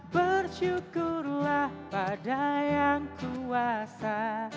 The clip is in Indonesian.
bersyukurlah pada yang kuasa